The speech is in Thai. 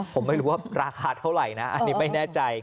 ผมไม่รู้ว่าราคาเท่าไหร่นะอันนี้ไม่แน่ใจ